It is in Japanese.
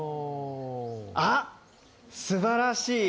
あっ、すばらしい！